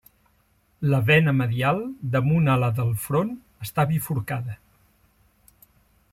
La vena medial damunt ala del front està bifurcada.